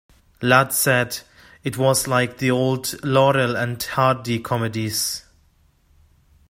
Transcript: Ladd said It was like the old Laurel and Hardy comedies.